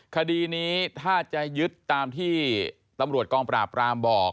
คดีนี้ถ้าจะยึดตามที่ตำรวจกองปราบรามบอก